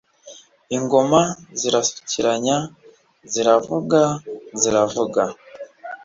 ingoma zirasukiranya ziravuga, ziravuga.